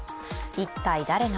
一体誰が？